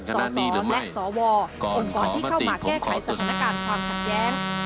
สสและสวคนก่อนที่เข้ามาแก้ไขสถานการณ์ความขัดแย้ง